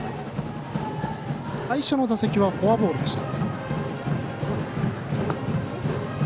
最初の打席はフォアボールでした。